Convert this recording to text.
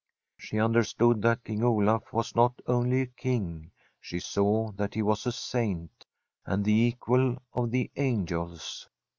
She understood that King Olaf was not only a King, she saw that he was a saint, and the equal of the angels.